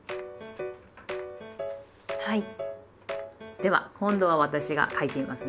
では今度は私が書いてみますね。